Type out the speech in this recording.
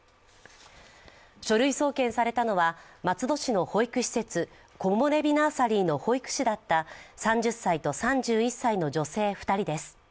書類送検されたのは松戸市の保育施設コモレビ・ナーサリーの保育士だった３０歳と３１歳の女性２人です。